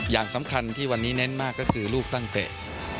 อย่างสำคัญที่วันนี้เน้นมากก็คือลูกตั้งเตะ